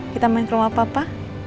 kita main ke rumah papa